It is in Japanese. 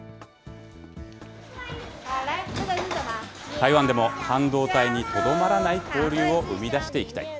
台湾でも半導体にとどまらない交流を生み出していきたい。